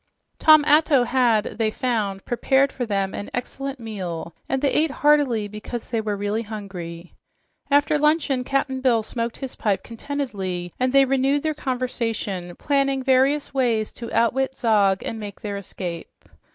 Tom Atto had, they found, prepared for them an excellent meal, and they ate heartily because they were really hungry. After luncheon Cap'n Bill smoked his pipe contentedly, and they renewed their conversation, planning various ways to outwit Zog and make their escape.